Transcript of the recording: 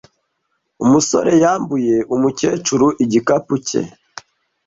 Umusore yambuye umukecuru igikapu cye.